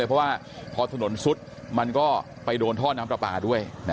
เพราะว่าพอถนนซุดมันก็ไปโดนท่อน้ำปลาปลาด้วย